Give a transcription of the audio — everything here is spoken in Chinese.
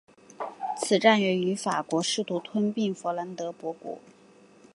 此战源于法国试图吞并弗兰德伯国。